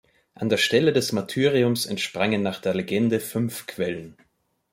An der Stelle des Martyriums entsprangen nach der Legende fünf Quellen.